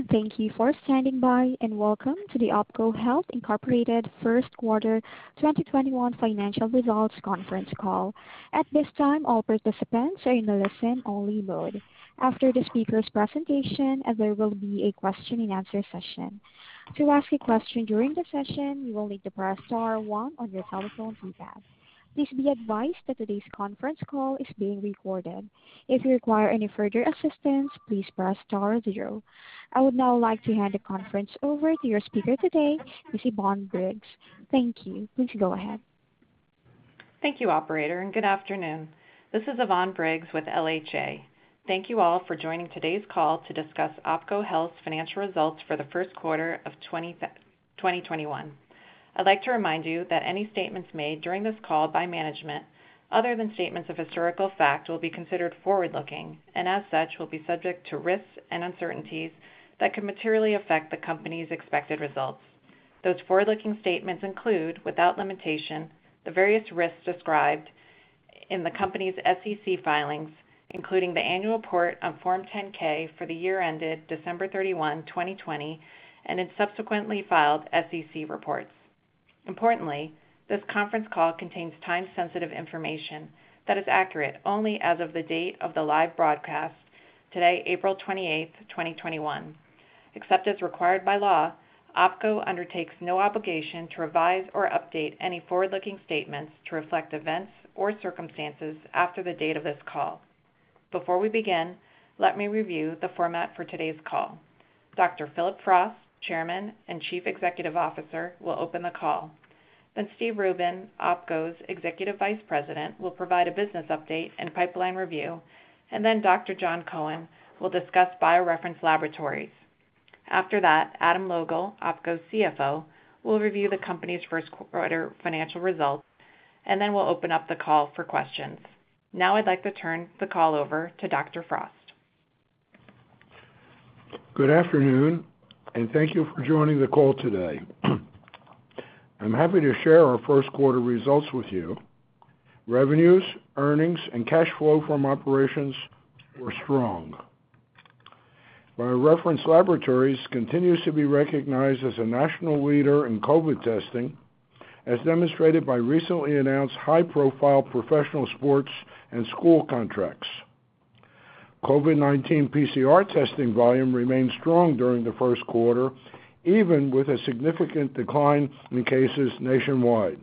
Good afternoon. Thank you for standing by, and welcome to the OPKO Health, Inc First Quarter 2021 Financial Results Conference Call. At this time, all participants are in a listen-only mode. After the speakers' presentation, there will be a question and answer session. To ask a question during the session, you will need to press star one on your telephone keypad. Please be advised that today's conference call is being recorded. If you require any further assistance, please press star zero. I would now like to hand the conference over to your speaker today, Ms. Yvonne Briggs. Thank you. Please go ahead. Thank you, Operator, and good afternoon. This is Yvonne Briggs with LHA. Thank you all for joining today's call to discuss OPKO Health's Financial Results for the First Quarter of 2021. I'd like to remind you that any statements made during this call by management, other than statements of historical fact, will be considered forward-looking, and as such, will be subject to risks and uncertainties that could materially affect the company's expected results. Those forward-looking statements include, without limitation, the various risks described in the company's SEC filings, including the annual report on Form 10-K for the year ended December 31, 2020, and in subsequently filed SEC reports. Importantly, this conference call contains time-sensitive information that is accurate only as of the date of the live broadcast today, April 28th, 2021. Except as required by law, OPKO undertakes no obligation to revise or update any forward-looking statements to reflect events or circumstances after the date of this call. Before we begin, let me review the format for today's call. Dr. Phillip Frost, Chairman and Chief Executive Officer, will open the call. Steve Rubin, OPKO's Executive Vice President, will provide a business update and pipeline review, and then Dr. Jon Cohen will discuss BioReference Laboratories. After that, Adam Logal, OPKO's CFO, will review the company's first quarter financial results, and then we'll open up the call for questions. Now I'd like to turn the call over to Dr. Frost. Good afternoon, and thank you for joining the call today. I'm happy to share our first quarter results with you. Revenues, earnings, and cash flow from operations were strong. BioReference Laboratories continues to be recognized as a national leader in COVID-19 testing, as demonstrated by recently announced high-profile professional sports and school contracts. COVID-19 PCR testing volume remained strong during the first quarter, even with a significant decline in cases nationwide.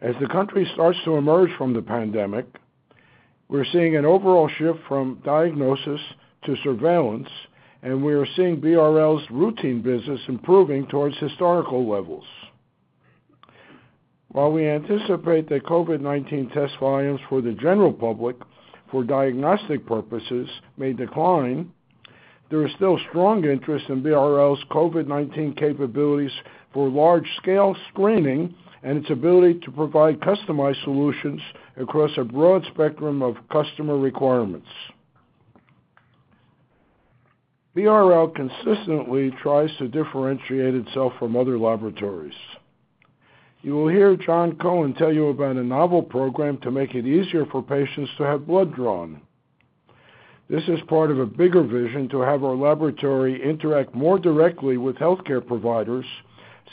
As the country starts to emerge from the pandemic, we're seeing an overall shift from diagnosis to surveillance, and we are seeing BRL's routine business improving towards historical levels. While we anticipate that COVID-19 test volumes for the general public for diagnostic purposes may decline, there is still strong interest in BRL's COVID-19 capabilities for large-scale screening and its ability to provide customized solutions across a broad spectrum of customer requirements. BRL consistently tries to differentiate itself from other laboratories. You will hear Jon Cohen tell you about a novel program to make it easier for patients to have blood drawn. This is part of a bigger vision to have our laboratory interact more directly with healthcare providers,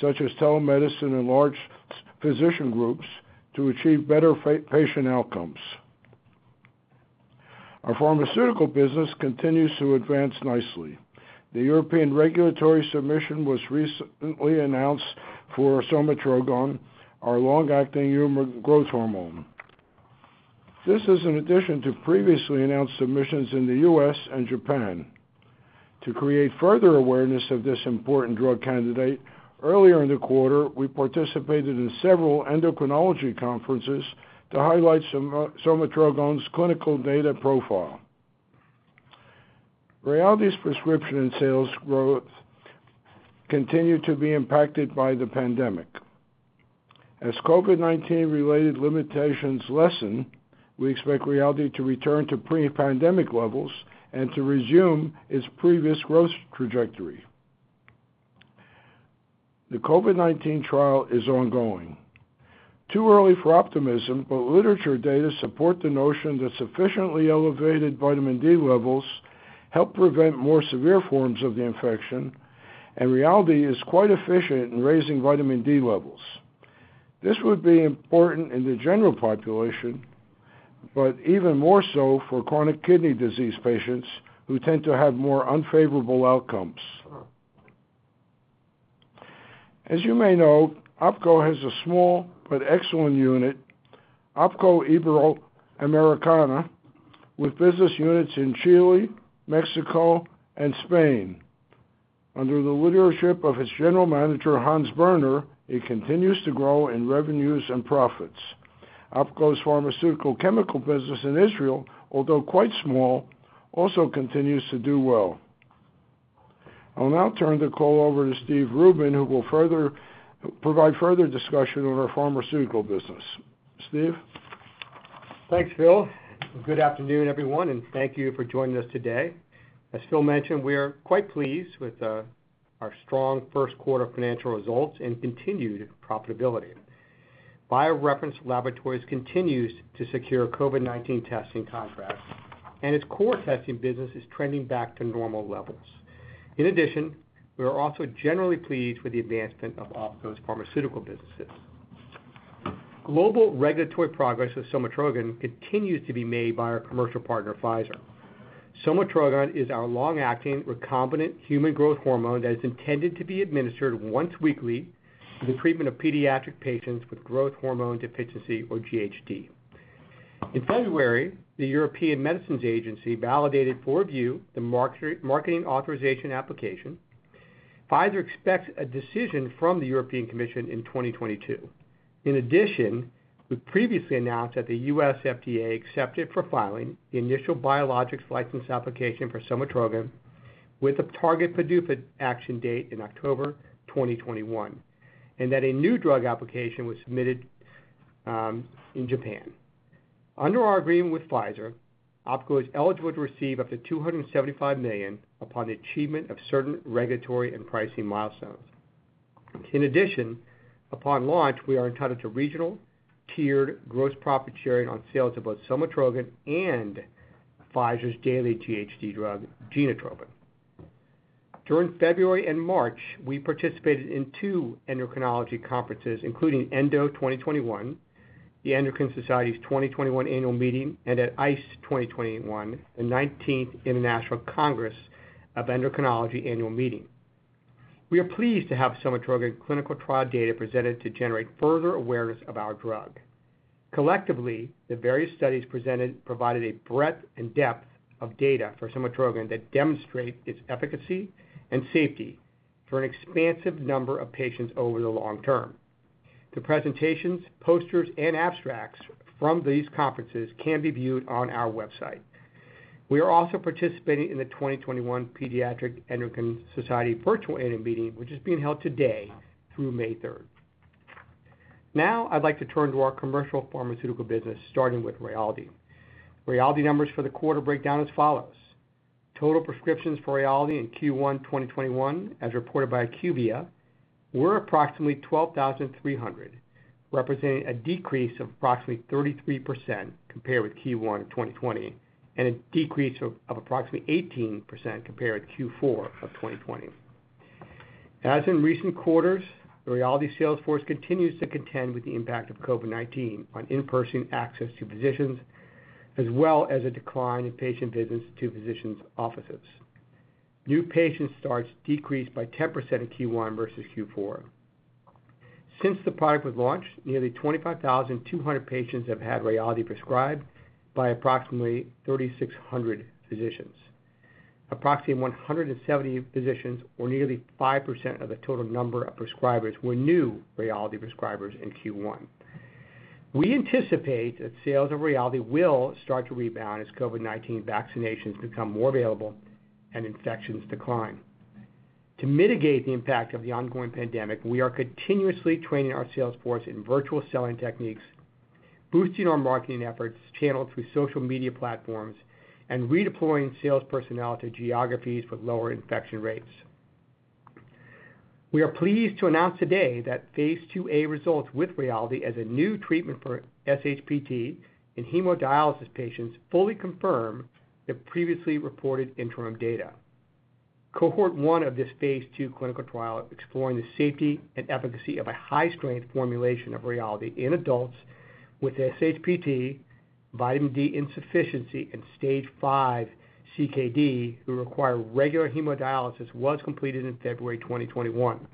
such as telemedicine and large physician groups, to achieve better patient outcomes. Our pharmaceutical business continues to advance nicely. The European regulatory submission was recently announced for somatrogon, our long-acting human growth hormone. This is in addition to previously announced submissions in the U.S. and Japan. To create further awareness of this important drug candidate, earlier in the quarter, we participated in several endocrinology conferences to highlight somatrogon's clinical data profile. Rayaldee's prescription and sales growth continue to be impacted by the pandemic. As COVID-19 related limitations lessen, we expect Rayaldee to return to pre-pandemic levels and to resume its previous growth trajectory. The COVID-19 trial is ongoing. Too early for optimism, but literature data support the notion that sufficiently elevated vitamin D levels help prevent more severe forms of the infection, and Rayaldee is quite efficient in raising vitamin D levels. This would be important in the general population, but even more so for chronic kidney disease patients who tend to have more unfavorable outcomes. As you may know, OPKO has a small but excellent unit, OPKO Health Iberoamerica, with business units in Chile, Mexico, and Spain. Under the leadership of its General Manager, Hans Berner, it continues to grow in revenues and profits. OPKO's pharmaceutical chemical business in Israel, although quite small, also continues to do well. I'll now turn the call over to Steve Rubin, who will provide further discussion on our pharmaceutical business. Steve? Thanks, Phil. Good afternoon, everyone, and thank you for joining us today. As Phil mentioned, we are quite pleased with our strong first quarter financial results and continued profitability. BioReference Laboratories continues to secure COVID-19 testing contracts, and its core testing business is trending back to normal levels. In addition, we are also generally pleased with the advancement of OPKO's pharmaceutical businesses. Global regulatory progress with somatrogon continues to be made by our commercial partner, Pfizer. Somatrogon is our long-acting recombinant human growth hormone that is intended to be administered once weekly for the treatment of pediatric patients with growth hormone deficiency, or GHD. In February, the European Medicines Agency validated for review the marketing authorization application. Pfizer expects a decision from the European Commission in 2022. We previously announced that the U.S. FDA accepted for filing the initial Biologics License Application for somatrogon with a target PDUFA action date in October 2021, and that a New Drug Application was submitted in Japan. Under our agreement with Pfizer, OPKO is eligible to receive up to $275 million upon the achievement of certain regulatory and pricing milestones. Upon launch, we are entitled to regional tiered gross profit sharing on sales of both somatrogon and Pfizer's daily GHD drug, GENOTROPIN. During February and March, we participated in two endocrinology conferences, including ENDO 2021, the Endocrine Society's 2021 Annual Meeting, and at ICE 2021, the 19th International Congress of Endocrinology Annual Meeting. We are pleased to have somatrogon clinical trial data presented to generate further awareness of our drug. Collectively, the various studies presented provided a breadth and depth of data for somatrogon that demonstrate its efficacy and safety for an expansive number of patients over the long term. The presentations, posters, and abstracts from these conferences can be viewed on our website. We are also participating in the 2021 Pediatric Endocrine Society Virtual Annual Meeting, which is being held today through May 3rd. I'd like to turn to our commercial pharmaceutical business, starting with Rayaldee. Rayaldee numbers for the quarter break down as follows. Total prescriptions for Rayaldee in Q1 2021, as reported by IQVIA, were approximately 12,300, representing a decrease of approximately 33% compared with Q1 of 2020, and a decrease of approximately 18% compared to Q4 of 2020. As in recent quarters, the Rayaldee sales force continues to contend with the impact of COVID-19 on in-person access to physicians, as well as a decline in patient visits to physicians' offices. New patient starts decreased by 10% in Q1 versus Q4. Since the product was launched, nearly 25,200 patients have had Rayaldee prescribed by approximately 3,600 physicians. Approximately 170 physicians or nearly 5% of the total number of prescribers were new Rayaldee prescribers in Q1. We anticipate that sales of Rayaldee will start to rebound as COVID-19 vaccinations become more available and infections decline. To mitigate the impact of the ongoing pandemic, we are continuously training our sales force in virtual selling techniques, boosting our marketing efforts channeled through social media platforms, and redeploying sales personnel to geographies with lower infection rates. We are pleased to announce today that Phase II-A results with Rayaldee as a new treatment for SHPT in hemodialysis patients fully confirm the previously reported interim data. Cohort 1 of this phase II clinical trial exploring the safety and efficacy of a high-strength formulation of Rayaldee in adults with SHPT, vitamin D insufficiency, and stage 5 CKD who require regular hemodialysis was completed in February 2021.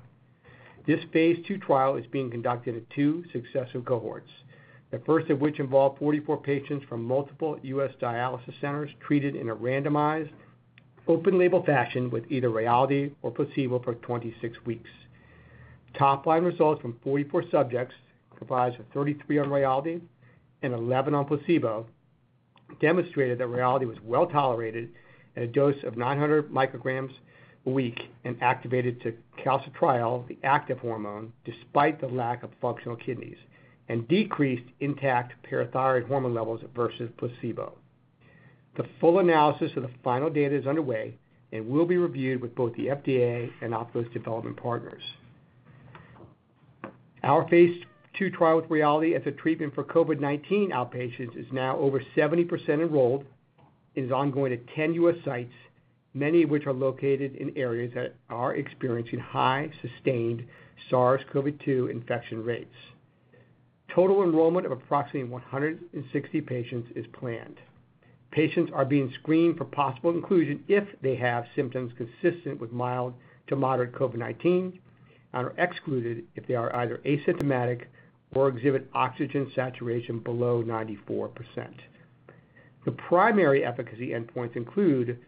This phase II trial is being conducted at two successive cohorts, the first of which involved 44 patients from multiple U.S. dialysis centers treated in a randomized, open-label fashion with either Rayaldee or placebo for 26 weeks. Top line results from 44 subjects, comprised of 33 on Rayaldee and 11 on placebo, demonstrated that Rayaldee was well-tolerated at a dose of 900 micrograms a week and activated to calcitriol, the active hormone, despite the lack of functional kidneys, and decreased intact parathyroid hormone levels versus placebo. The full analysis of the final data is underway and will be reviewed with both the FDA and OPKO's development partners. Our phase II trial with Rayaldee as a treatment for COVID-19 outpatients is now over 70% enrolled and is ongoing at 10 U.S. sites, many of which are located in areas that are experiencing high sustained SARS-CoV-2 infection rates. Total enrollment of approximately 160 patients is planned. Patients are being screened for possible inclusion if they have symptoms consistent with mild to moderate COVID-19 and are excluded if they are either asymptomatic or exhibit oxygen saturation below 94%. The primary efficacy endpoints include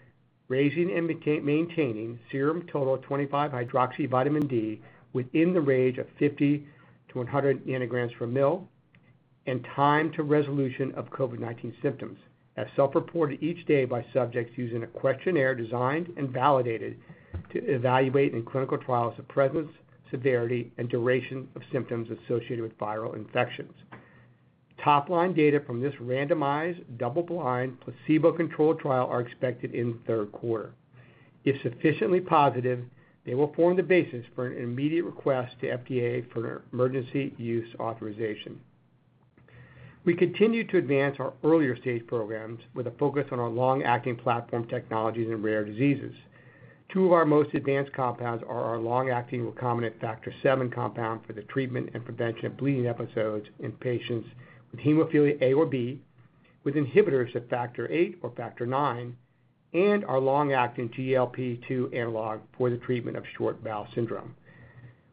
raising and maintaining serum total 25-hydroxyvitamin D within the range of 50 to 100 nanograms per ml and time to resolution of COVID-19 symptoms, as self-reported each day by subjects using a questionnaire designed and validated to evaluate in clinical trials the presence, severity, and duration of symptoms associated with viral infection. Top-line data from this randomized, double-blind, placebo-controlled trial are expected in the third quarter. If sufficiently positive, they will form the basis for an immediate request to FDA for emergency use authorization. We continue to advance our earlier-stage programs with a focus on our long-acting platform technologies and rare diseases. Two of our most advanced compounds are our long-acting recombinant Factor VIIa compound for the treatment and prevention of bleeding episodes in patients with hemophilia A or B with inhibitors of factor VIII or factor IX, and our long-acting GLP-2 analog for the treatment of short bowel syndrome.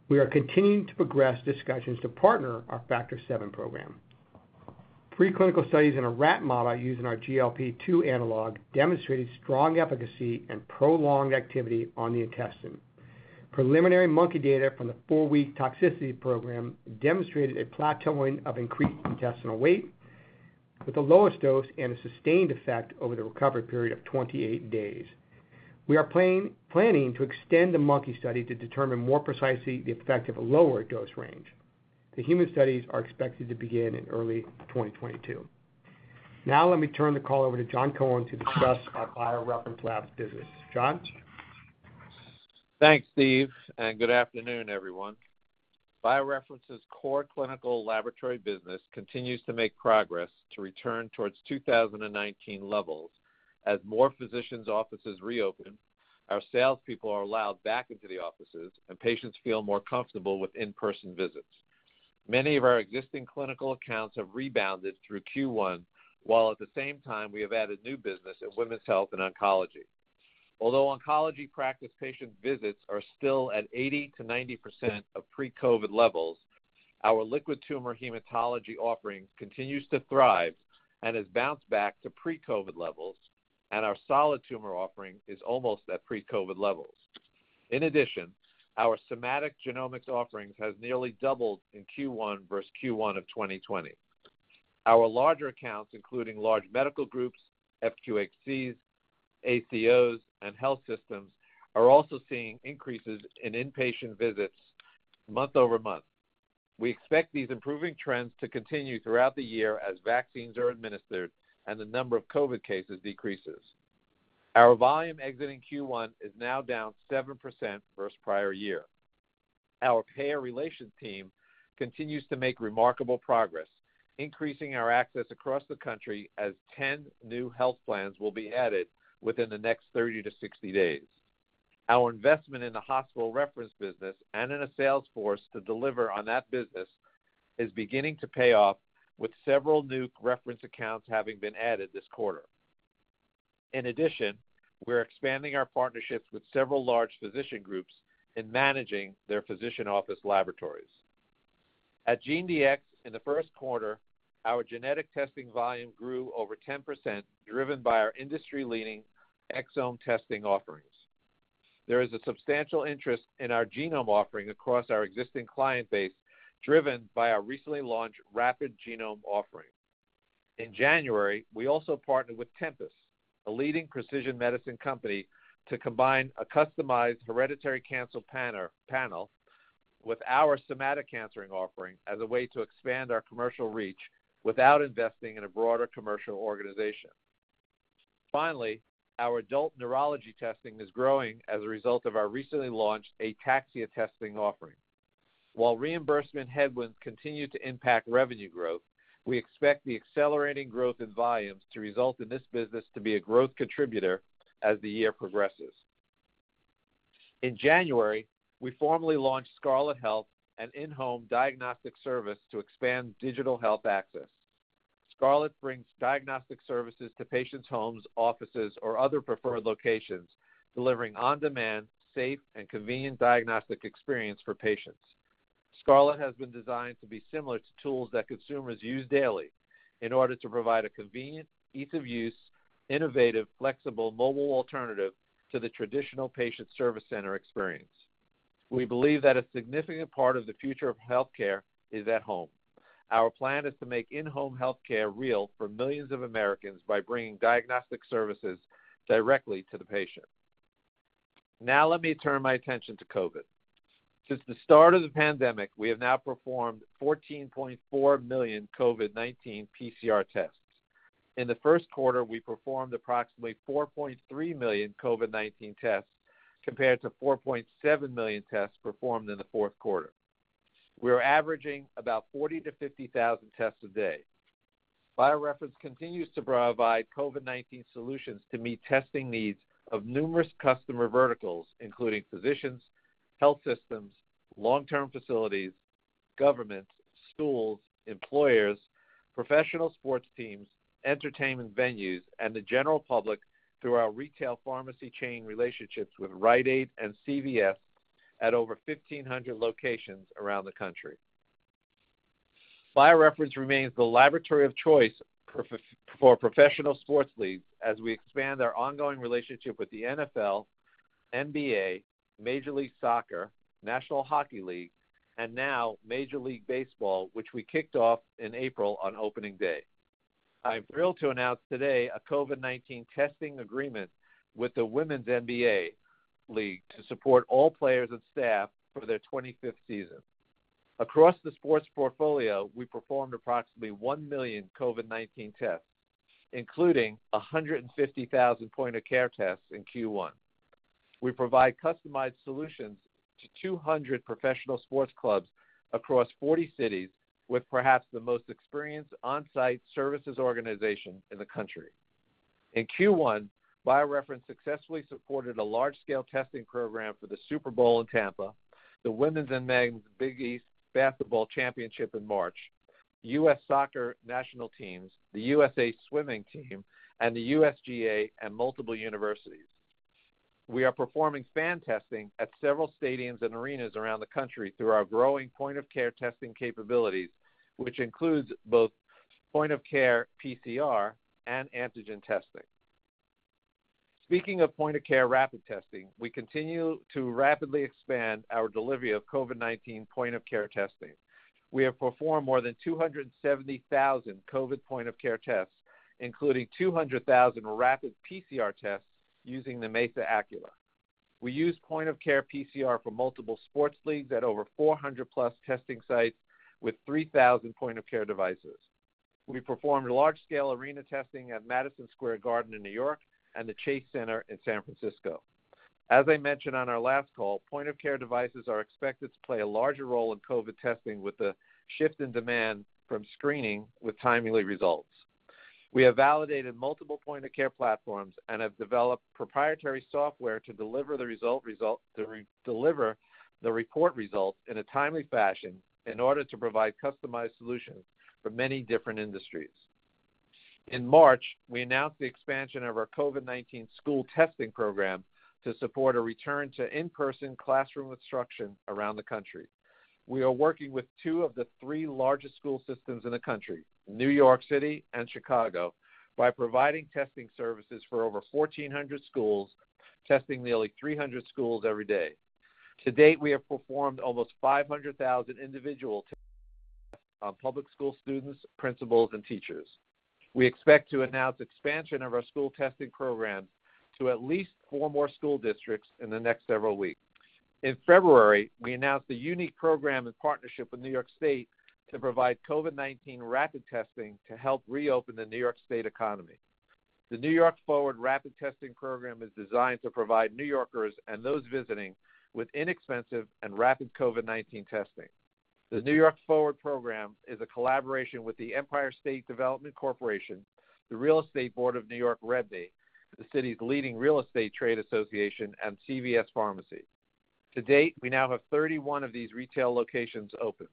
We are continuing to progress discussions to partner our Factor VIIa program. Preclinical studies in a rat model using our GLP-2 analog demonstrated strong efficacy and prolonged activity on the intestine. Preliminary monkey data from the four-week toxicity program demonstrated a plateauing of increased intestinal weight with the lowest dose and a sustained effect over the recovery period of 28 days. We are planning to extend the monkey study to determine more precisely the effect of a lower dose range. The human studies are expected to begin in early 2022. Now, let me turn the call over to Jon Cohen to discuss our BioReference Lab business. Jon? Thanks, Steve. Good afternoon, everyone. BioReference's core clinical laboratory business continues to make progress to return towards 2019 levels as more physicians' offices reopen, our salespeople are allowed back into the offices, and patients feel more comfortable with in-person visits. Many of our existing clinical accounts have rebounded through Q1, while at the same time, we have added new business in women's health and oncology. Although oncology practice patient visits are still at 80%-90% of pre-COVID levels, our liquid tumor hematology offerings continue to thrive and have bounced back to pre-COVID levels, and our solid tumor offering is almost at pre-COVID levels. In addition, our somatic genomics offerings have nearly doubled in Q1 versus Q1 of 2020. Our larger accounts, including large medical groups, FQHCs, ACOs, and health systems, are also seeing increases in in-patient visits month-over-month. We expect these improving trends to continue throughout the year as vaccines are administered and the number of COVID cases decreases. Our volume exiting Q1 is now down 7% versus the prior year. Our payer relations team continues to make remarkable progress, increasing our access across the country as 10 new health plans will be added within the next 30 to 60 days. Our investment in the hospital reference business and in a sales force to deliver on that business is beginning to pay off, with several new reference accounts having been added this quarter. In addition, we're expanding our partnerships with several large physician groups in managing their physician office laboratories. At GeneDx in the first quarter, our genetic testing volume grew over 10%, driven by our industry-leading exome testing offerings. There is a substantial interest in our genome offering across our existing client base, driven by our recently launched rapid genome offering. In January, we also partnered with Tempus, a leading precision medicine company, to combine a customized hereditary cancer panel with our somatic cancer offering as a way to expand our commercial reach without investing in a broader commercial organization. Finally, our adult neurology testing is growing as a result of our recently launched ataxia testing offering. While reimbursement headwinds continue to impact revenue growth, we expect the accelerating growth in volumes to result in this business to be a growth contributor as the year progresses. In January, we formally launched Scarlet Health, an in-home diagnostic service to expand digital health access. Scarlet brings diagnostic services to patients' homes, offices, or other preferred locations, delivering on-demand, safe, and convenient diagnostic experience for patients. Scarlet has been designed to be similar to tools that consumers use daily in order to provide a convenient, ease-of-use, innovative, flexible mobile alternative to the traditional patient service center experience. We believe that a significant part of the future of healthcare is at home. Our plan is to make in-home healthcare real for millions of Americans by bringing diagnostic services directly to the patient. Now, let me turn my attention to COVID. Since the start of the pandemic, we have now performed 14.4 million COVID-19 PCR tests. In the first quarter, we performed approximately 4.3 million COVID-19 tests, compared to 4.7 million tests performed in the fourth quarter. We are averaging about 40,000 to 50,000 tests a day. BioReference continues to provide COVID-19 solutions to meet testing needs of numerous customer verticals, including physicians, health systems, long-term facilities, governments, schools, employers, professional sports teams, entertainment venues, and the general public through our retail pharmacy chain relationships with Rite Aid and CVS at over 1,500 locations around the country. BioReference remains the laboratory of choice for professional sports leagues as we expand our ongoing relationship with the NFL, NBA, Major League Soccer, National Hockey League, and now Major League Baseball, which we kicked off in April on Opening Day. I'm thrilled to announce today a COVID-19 testing agreement with the Women's NBA league to support all players and staff for their 25th season. Across the sports portfolio, we performed approximately 1 million COVID-19 tests, including 150,000 point-of-care tests in Q1. We provided customized solutions to 200 professional sports clubs across 40 cities, with perhaps the most experienced on-site services organization in the country. In Q1, BioReference successfully supported a large-scale testing program for the Super Bowl in Tampa, the Women's and Men's BIG EAST Basketball Championship in March, U.S. Soccer national teams, the USA Swimming team, and the USGA, and multiple universities. We are performing fan testing at several stadiums and arenas around the country through our growing point-of-care testing capabilities, which includes both point-of-care PCR and antigen testing. Speaking of point-of-care rapid testing, we continue to rapidly expand our delivery of COVID-19 point-of-care testing. We have performed more than 270,000 COVID point-of-care tests, including 200,000 rapid PCR tests using the Mesa Accula. We use point-of-care PCR for multiple sports leagues at over 400+ testing sites with 3,000 point-of-care devices. We performed large-scale arena testing at Madison Square Garden in New York and the Chase Center in San Francisco. As I mentioned on our last call, point-of-care devices are expected to play a larger role in COVID testing with the shift in demand from screening with timely results. We have validated multiple point-of-care platforms and have developed proprietary software to deliver the report results in a timely fashion in order to provide customized solutions for many different industries. In March, we announced the expansion of our COVID-19 school testing program to support a return to in-person classroom instruction around the country. We are working with two of the three largest school systems in the country, New York City and Chicago, by providing testing services for over 1,400 schools, testing nearly 300 schools every day. To date, we have performed almost 500,000 individual tests on public school students, principals, and teachers. We expect to announce expansion of our school testing programs to at least four more school districts in the next several weeks. In February, we announced a unique program and partnership with New York State to provide COVID-19 rapid testing to help reopen the New York State economy. The New York Forward rapid testing program is designed to provide New Yorkers and those visiting with inexpensive and rapid COVID-19 testing. The New York Forward program is a collaboration with the Empire State Development Corporation, the Real Estate Board of New York, REBNY, the city's leading real estate trade association, and CVS Pharmacy. To date, we now have 31 of these retail locations open.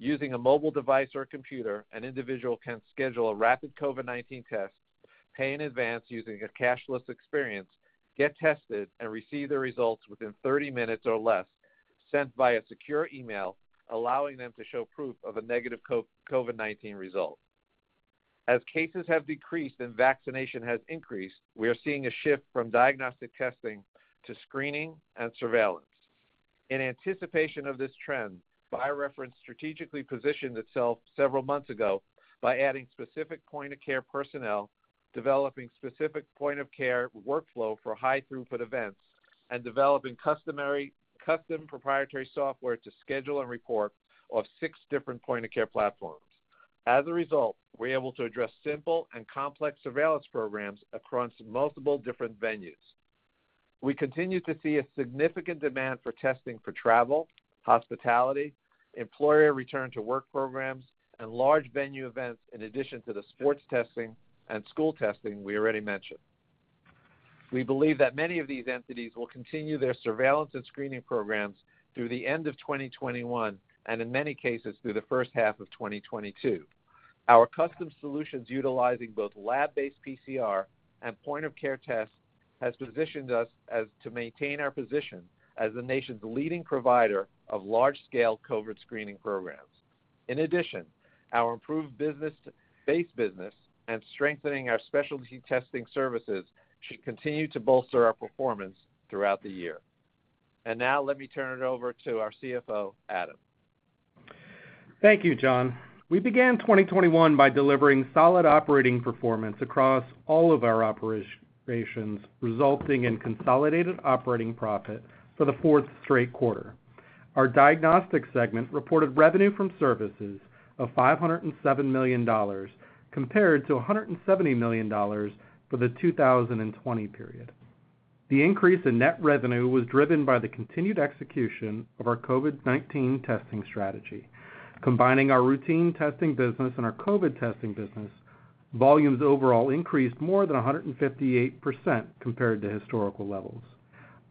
Using a mobile device or computer, an individual can schedule a rapid COVID-19 test, pay in advance using a cashless experience, get tested, and receive their results within 30 minutes or less, sent via secure email, allowing them to show proof of a negative COVID-19 result. As cases have decreased and vaccination has increased, we are seeing a shift from diagnostic testing to screening and surveillance. In anticipation of this trend, BioReference strategically positioned itself several months ago by adding specific point-of-care personnel, developing specific point-of-care workflow for high-throughput events, and developing custom proprietary software to schedule and report of six different point-of-care platforms. As a result, we're able to address simple and complex surveillance programs across multiple different venues. We continue to see a significant demand for testing for travel, hospitality, employer return-to-work programs, and large venue events, in addition to the sports testing and school testing we already mentioned. We believe that many of these entities will continue their surveillance and screening programs through the end of 2021, and in many cases, through the first half of 2022. Our custom solutions utilizing both lab-based PCR and point-of-care tests has positioned us to maintain our position as the nation's leading provider of large-scale COVID screening programs. In addition, our improved base business and strengthening our specialty testing services should continue to bolster our performance throughout the year. Now let me turn it over to our CFO, Adam. Thank you, Jon. We began 2021 by delivering solid operating performance across all of our operations, resulting in consolidated operating profit for the fourth straight quarter. Our diagnostics segment reported revenue from services of $507 million compared to $170 million for the 2020 period. The increase in net revenue was driven by the continued execution of our COVID-19 testing strategy. Combining our routine testing business and our COVID testing business, volumes overall increased more than 158% compared to historical levels.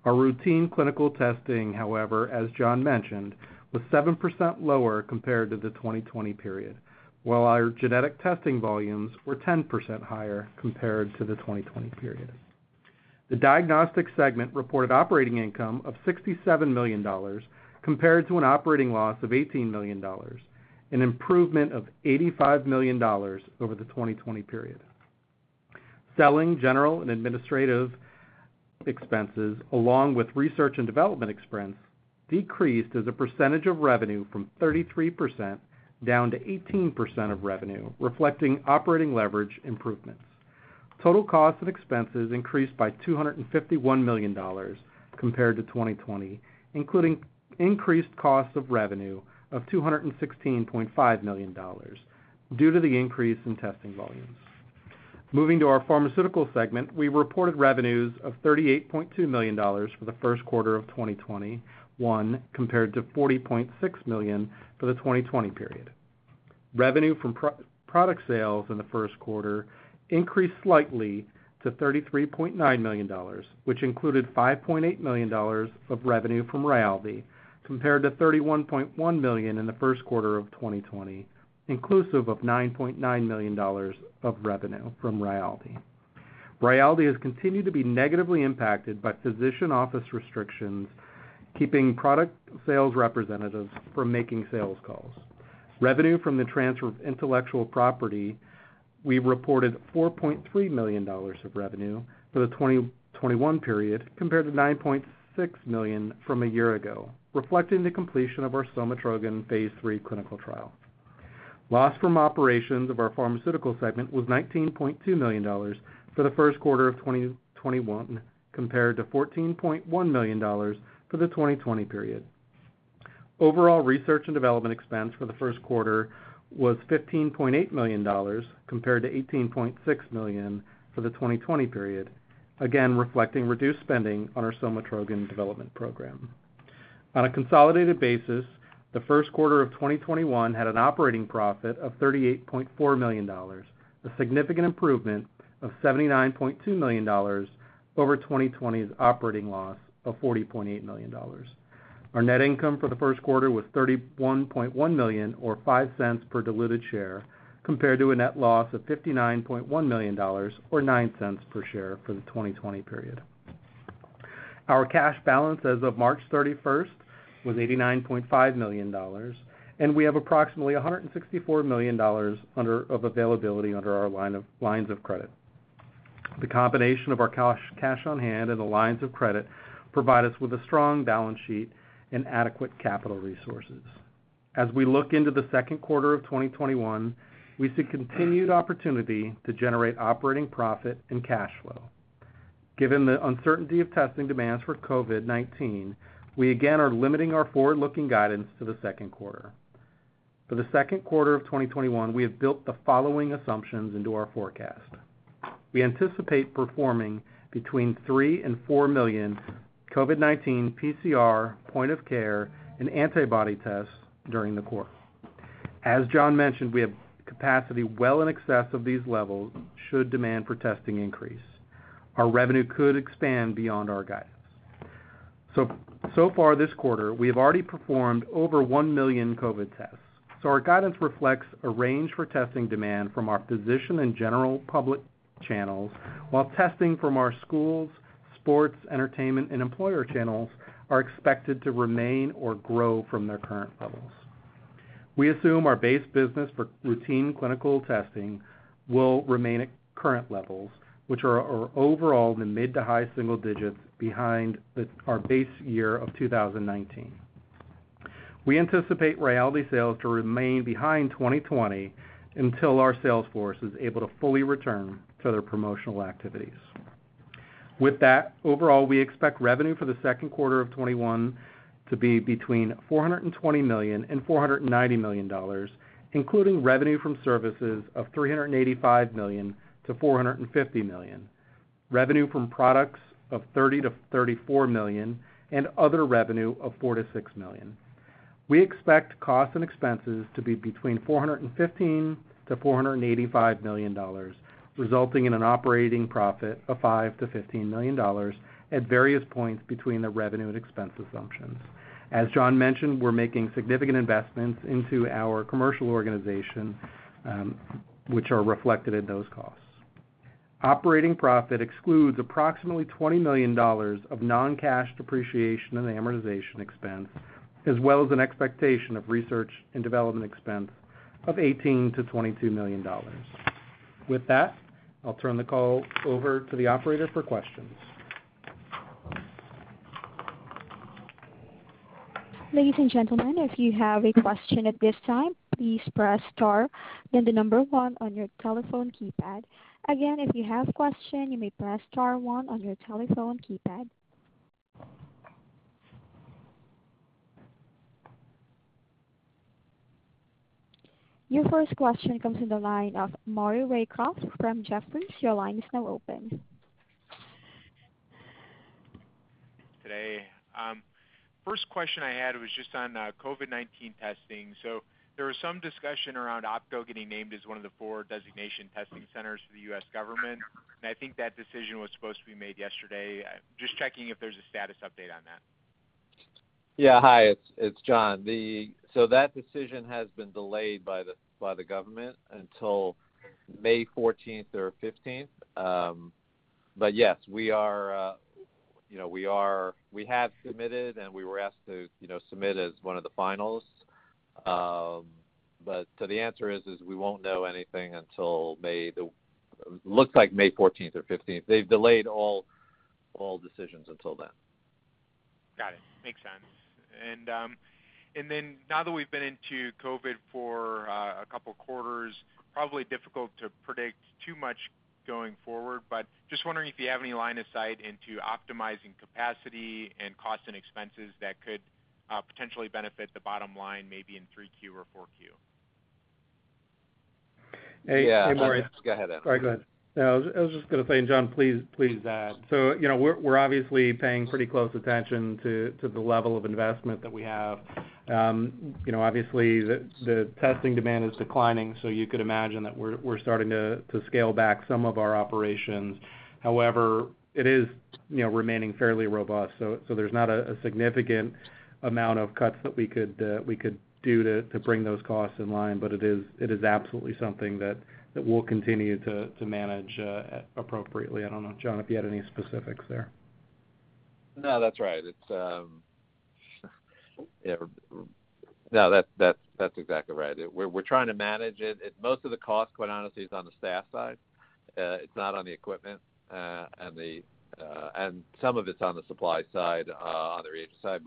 Our routine clinical testing, however, as Jon mentioned, was 7% lower compared to the 2020 period, while our genetic testing volumes were 10% higher compared to the 2020 period. The diagnostics segment reported operating income of $67 million compared to an operating loss of $18 million, an improvement of $85 million over the 2020 period. Selling general and administrative expenses, along with research and development expense, decreased as a percentage of revenue from 33% down to 18% of revenue, reflecting operating leverage improvements. Total costs and expenses increased by $251 million compared to 2020, including increased costs of revenue of $216.5 million due to the increase in testing volumes. Moving to our pharmaceutical segment, we reported revenues of $38.2 million for the first quarter of 2021 compared to $40.6 million for the 2020 period. Revenue from product sales in the first quarter increased slightly to $33.9 million, which included $5.8 million of revenue from Rayaldee, compared to $31.1 million in the first quarter of 2020, inclusive of $9.9 million of revenue from Rayaldee. Rayaldee has continued to be negatively impacted by physician office restrictions, keeping product sales representatives from making sales calls. Revenue from the transfer of intellectual property, we reported $4.3 million of revenue for the 2021 period compared to $9.6 million from a year ago, reflecting the completion of our somatrogon phase III clinical trial. Loss from operations of our pharmaceutical segment was $19.2 million for the first quarter of 2021 compared to $14.1 million for the 2020 period. Overall research and development expense for the first quarter was $15.8 million compared to $18.6 million for the 2020 period, again reflecting reduced spending on our somatrogon development program. On a consolidated basis, the first quarter of 2021 had an operating profit of $38.4 million, a significant improvement of $79.2 million over 2020's operating loss of $40.8 million. Our net income for the first quarter was $31.1 million or $0.05 per diluted share, compared to a net loss of $59.1 million or $0.09 per share for the 2020 period. Our cash balance as of March 31st was $89.5 million, and we have approximately $164 million of availability under our lines of credit. The combination of our cash on hand and the lines of credit provide us with a strong balance sheet and adequate capital resources. As we look into the second quarter of 2021, we see continued opportunity to generate operating profit and cash flow. Given the uncertainty of testing demands for COVID-19, we again are limiting our forward-looking guidance to the second quarter. For the second quarter of 2021, we have built the following assumptions into our forecast. We anticipate performing between 3 million and 4 million COVID-19 PCR point of care and antibody tests during the quarter. As Jon mentioned, we have capacity well in excess of these levels should demand for testing increase. Our revenue could expand beyond our guidance. So far this quarter, we have already performed over 1 million COVID tests. Our guidance reflects a range for testing demand from our physician and general public channels while testing from our schools, sports, entertainment, and employer channels are expected to remain or grow from their current levels. We assume our base business for routine clinical testing will remain at current levels, which are overall in the mid to high single digits behind our base year of 2019. We anticipate Rayaldee sales to remain behind 2020 until our sales force is able to fully return to their promotional activities. With that, overall, we expect revenue for the second quarter of 2021 to be between $420 million-$490 million, including revenue from services of $385 million-$450 million, revenue from products of $30 million-$34 million, and other revenue of $4 million-$6 million. We expect costs and expenses to be between $415 million-$485 million, resulting in an operating profit of $5 million-$15 million at various points between the revenue and expense assumptions. As Jon mentioned, we're making significant investments into our commercial organization, which are reflected in those costs. Operating profit excludes approximately $20 million of non-cash depreciation and amortization expense, as well as an expectation of research and development expense of $18 million-$22 million. With that, I'll turn the call over to the operator for questions. Ladies and gentlemen, if you have a question at this time, please press star then the number one on your telephone keypad. Again, if you have question, you may press star one on your telephone keypad. Your first question comes in the line of Maury Raycroft from Jefferies. Your line is now open. Hey. First question I had was just on COVID-19 testing. There was some discussion around OPKO getting named as one of the four designation testing centers for the U.S. government, and I think that decision was supposed to be made yesterday. Just checking if there's a status update on that. Yeah. Hi, it's Jon. That decision has been delayed by the government until May 14th or 15th. Okay. Yes, we have submitted, and we were asked to submit as one of the finalists. The answer is, we won't know anything until it looks like May 14th or 15th. They've delayed all decisions until then. Got it. Makes sense. Now that we've been into COVID for a couple of quarters, probably difficult to predict too much going forward, but just wondering if you have any line of sight into optimizing capacity and cost and expenses that could potentially benefit the bottom line maybe in 3Q or 4Q. Yeah. Go ahead, Adam. Sorry, go ahead. I was just going to say, Jon, please add. We're obviously paying pretty close attention to the level of investment that we have. Obviously, the testing demand is declining, so you could imagine that we're starting to scale back some of our operations. However, it is remaining fairly robust. There's not a significant amount of cuts that we could do to bring those costs in line. It is absolutely something that we'll continue to manage appropriately. I don't know, Jon, if you had any specifics there. No, that's right. That's exactly right. We're trying to manage it. Most of the cost, quite honestly, is on the staff side. It's not on the equipment. Some of it's on the supply side, on the reagent side.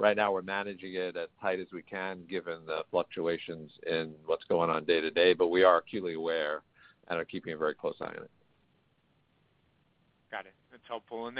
Right now, we're managing it as tight as we can given the fluctuations in what's going on day to day. We are acutely aware and are keeping a very close eye on it. Got it. That's helpful.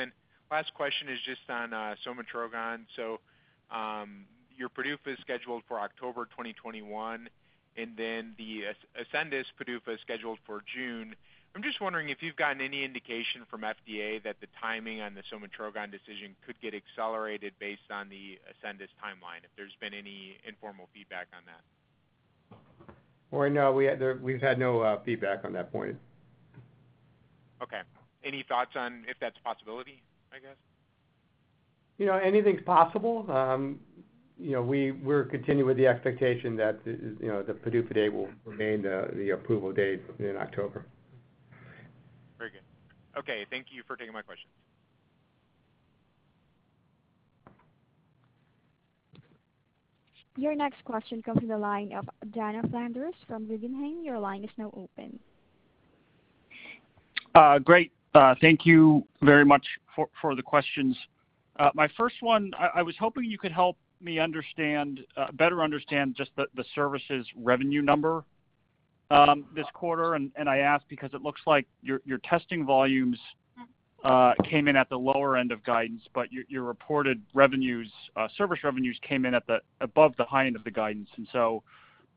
Last question is just on somatrogon. Your PDUFA is scheduled for October 2021, and then the Ascendis PDUFA is scheduled for June. I'm just wondering if you've gotten any indication from FDA that the timing on the somatrogon decision could get accelerated based on the Ascendis timeline, if there's been any informal feedback on that. Well, no. We've had no feedback on that point. Okay. Any thoughts on if that's a possibility, I guess? Anything's possible. We'll continue with the expectation that the PDUFA date will remain the approval date in October. Very good. Okay, thank you for taking my questions. Your next question comes from the line of Dana Flanders from Guggenheim. Your line is now open. Great. Thank you very much for the questions. My first one, I was hoping you could help me better understand just the services revenue number this quarter. I ask because it looks like your testing volumes came in at the lower end of guidance, but your reported service revenues came in above the high end of the guidance.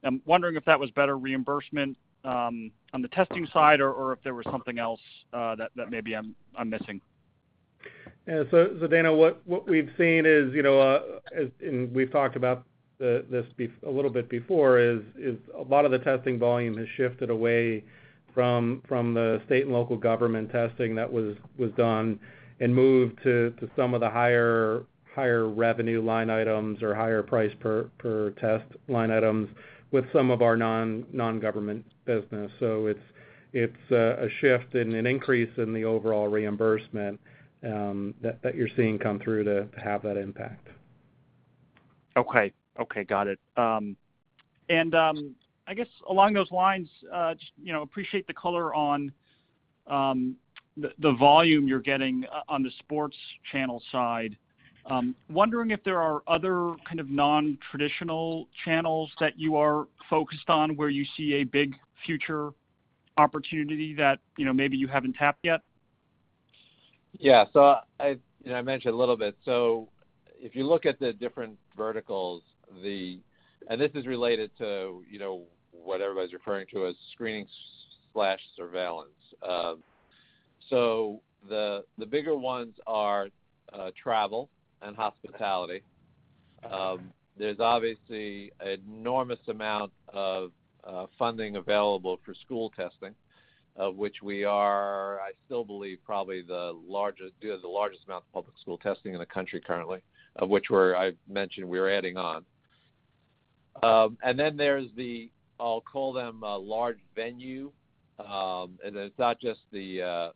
I'm wondering if that was better reimbursement on the testing side, or if there was something else that maybe I'm missing. Yeah. Dana, what we've seen is, and we've talked about this a little bit before, is a lot of the testing volume has shifted away from the state and local government testing that was done and moved to some of the higher revenue line items or higher price per test line items with some of our non-government business. It's a shift and an increase in the overall reimbursement that you're seeing come through to have that impact. Okay. Got it. I guess along those lines, appreciate the color on the volume you're getting on the sports channel side. Wondering if there are other kind of non-traditional channels that you are focused on where you see a big future opportunity that maybe you haven't tapped yet? I mentioned a little bit. If you look at the different verticals, and this is related to what everybody's referring to as screening/surveillance. The bigger ones are travel and hospitality. There's obviously enormous amount of funding available for school testing, of which we are, I still believe, probably do the largest amount of public school testing in the country currently, of which I mentioned we are adding on. Then there's the, I'll call them large venue. It's not just the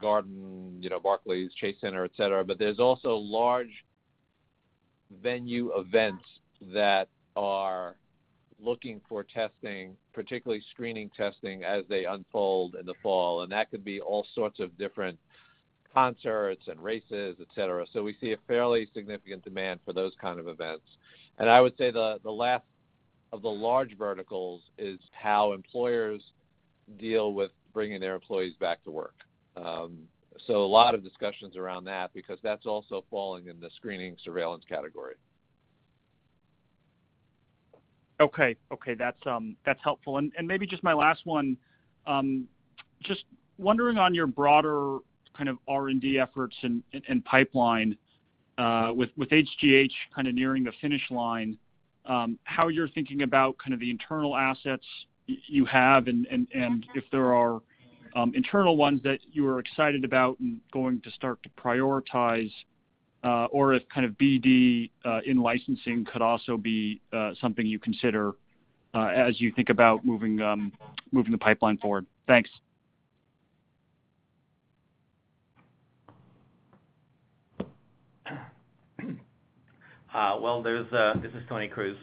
Garden, Barclays Center, et cetera, but there's also large venue events that are looking for testing, particularly screening testing, as they unfold in the fall. That could be all sorts of different concerts and races, et cetera. We see a fairly significant demand for those kind of events. I would say the last of the large verticals is how employers deal with bringing their employees back to work. A lot of discussions around that because that's also falling in the screening surveillance category. Okay. That's helpful. Maybe just my last one, just wondering on your broader kind of R&D efforts and pipeline, with HGH kind of nearing the finish line. How you're thinking about the internal assets you have and if there are internal ones that you are excited about and going to start to prioritize or if kind of BD in-licensing could also be something you consider as you think about moving the pipeline forward. Thanks. Well, this is Tony Cruz.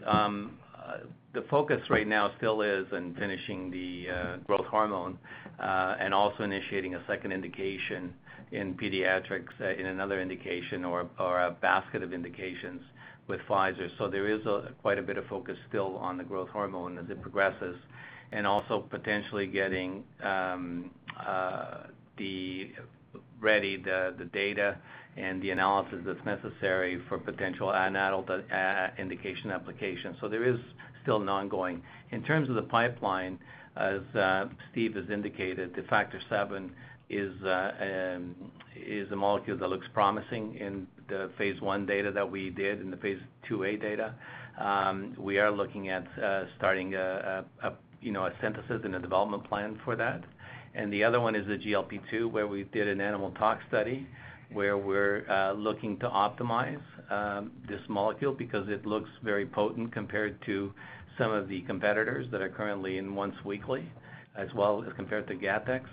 The focus right now still is in finishing the growth hormone, and also initiating a second indication in pediatrics in another indication or a basket of indications with Pfizer. There is quite a bit of focus still on the growth hormone as it progresses, and also potentially getting ready the data and the analysis that's necessary for potential adult indication application. There is still an ongoing. In terms of the pipeline, as Steve has indicated, the Factor VII is a molecule that looks promising in the phase I data that we did, in the phase II-A data. We are looking at starting a synthesis and a development plan for that. The other one is the GLP-2, where we did an animal tox study, where we're looking to optimize this molecule because it looks very potent compared to some of the competitors that are currently in once weekly, as well as compared to GATTEX.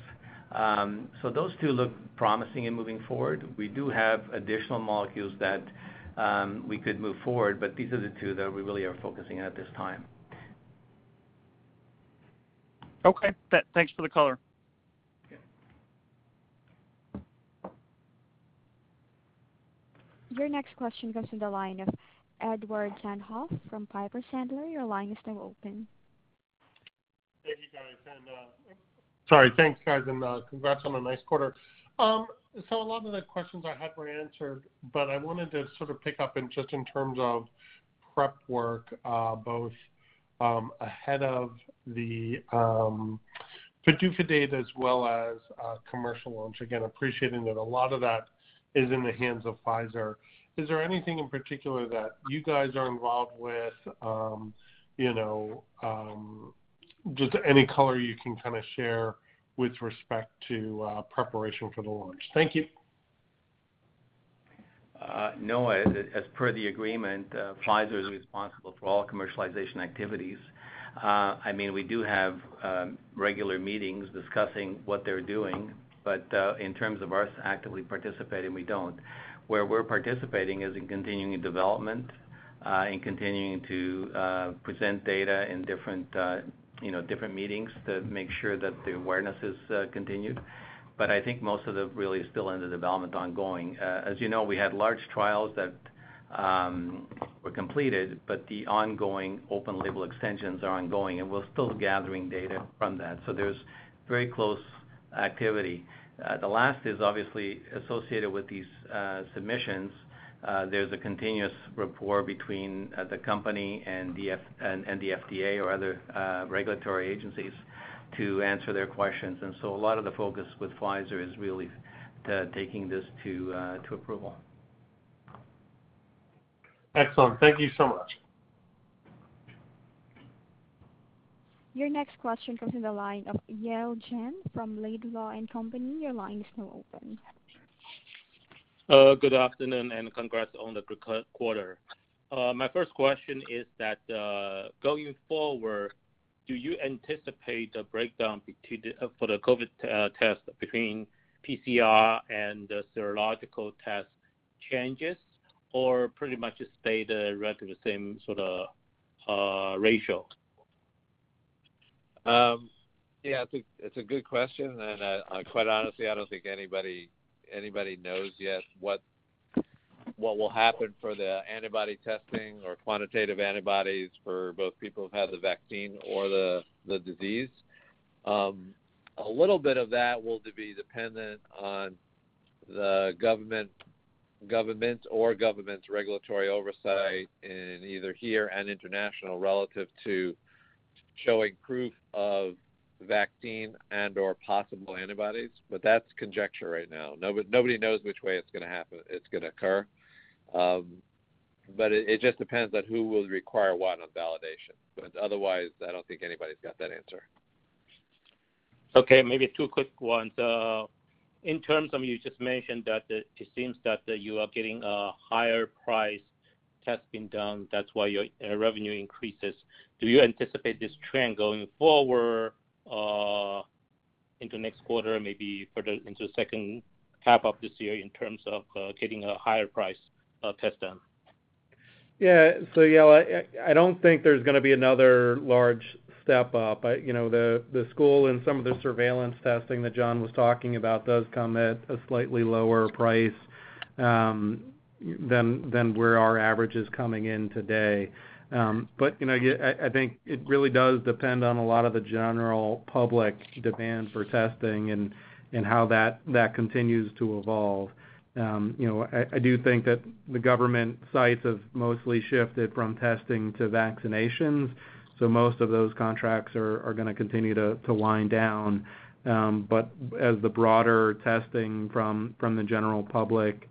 Those two look promising in moving forward. We do have additional molecules that we could move forward, but these are the two that we really are focusing at this time. Okay. Thanks for the color. Okay. Your next question comes from the line of Edward Tenthoff from Piper Sandler. Your line is now open. Thank you, guys. Sorry, thanks, guys, and congrats on a nice quarter. A lot of the questions I had were answered, but I wanted to sort of pick up in just in terms of prep work, both ahead of the PDUFA date as well as commercial launch. Again, appreciating that a lot of that is in the hands of Pfizer. Is there anything in particular that you guys are involved with, just any color you can kind of share with respect to preparation for the launch? Thank you. No. As per the agreement, Pfizer is responsible for all commercialization activities. We do have regular meetings discussing what they're doing, but in terms of us actively participating, we don't. Where we're participating is in continuing development, in continuing to present data in different meetings to make sure that the awareness is continued. I think most of it really is still in the development ongoing. As you know, we had large trials that were completed, but the ongoing open label extensions are ongoing, and we're still gathering data from that. There's very close activity. The last is obviously associated with these submissions. There's a continuous rapport between the company and the FDA or other regulatory agencies to answer their questions. A lot of the focus with Pfizer is really taking this to approval. Excellent. Thank you so much. Your next question comes from the line of Yale Jen from Laidlaw & Company. Your line is now open. Hello. Good afternoon, and congrats on the good quarter. My first question is that, going forward, do you anticipate a breakdown for the COVID test between PCR and the serological test changes, or pretty much stay the roughly the same sort of ratio? Yeah, I think it's a good question. Quite honestly, I don't think anybody knows yet what will happen for the antibody testing or quantitative antibodies for both people who've had the vaccine or the disease. A little bit of that will be dependent on the government or governments' regulatory oversight in either here and international relative to showing proof of vaccine and/or possible antibodies. That's conjecture right now. Nobody knows which way it's going to occur. It just depends on who will require what on validation. Otherwise, I don't think anybody's got that answer. Okay. Maybe two quick ones. In terms of, you just mentioned that it seems that you are getting higher priced testing done, that's why your revenue increases. Do you anticipate this trend going forward into next quarter, maybe into the second half of this year in terms of getting a higher price test done? Yeah. Yale, I don't think there's going to be another large step up. The school and some of the surveillance testing that Jon was talking about does come at a slightly lower price than where our average is coming in today. I think it really does depend on a lot of the general public demand for testing and how that continues to evolve. I do think that the government sites have mostly shifted from testing to vaccinations, most of those contracts are going to continue to wind down. As the broader testing from the general public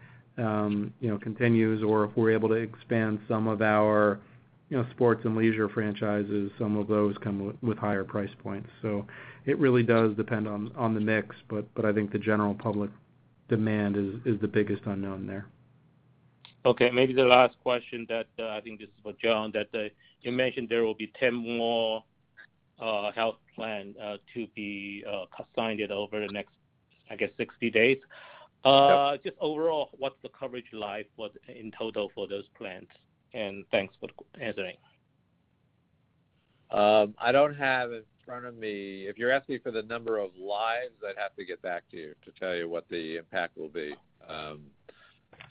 continues, or if we're able to expand some of our sports and leisure franchises, some of those come with higher price points. It really does depend on the mix, but I think the general public demand is the biggest unknown there. Okay. Maybe the last question that I think this is for Jon, that you mentioned there will be 10 more health plan to be signed over the next, I guess, 60 days. Sure. Just overall, what's the coverage life in total for those plans? Thanks for answering. I don't have in front of me. If you're asking for the number of lives, I'd have to get back to you to tell you what the impact will be.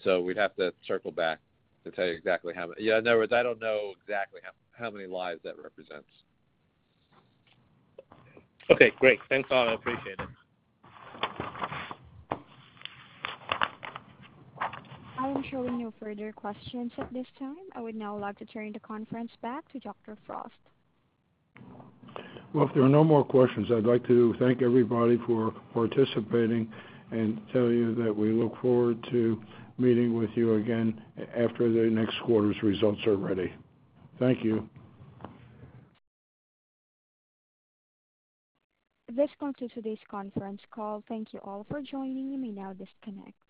We'd have to circle back to tell you exactly how many. Yeah, in other words, I don't know exactly how many lives that represents. Okay, great. Thanks all. I appreciate it. I am showing no further questions at this time. I would now like to turn the conference back to Dr. Frost. Well, if there are no more questions, I'd like to thank everybody for participating and tell you that we look forward to meeting with you again after the next quarter's results are ready. Thank you. This concludes today's conference call. Thank you all for joining. You may now disconnect.